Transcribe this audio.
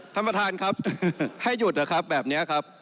ท่านประธานครับให้หยุดนะครับแบบนี้ครับ